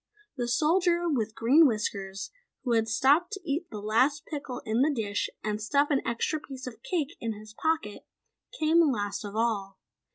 The Soldier with Green Whiskers, who had stopped to eat the last pickle in the dish and stuff an extra piece of cake in his pocket, came last of all.